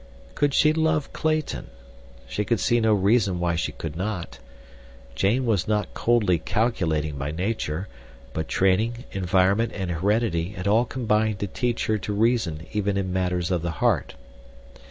Could she love Clayton? She could see no reason why she could not. Jane was not coldly calculating by nature, but training, environment and heredity had all combined to teach her to reason even in matters of the heart.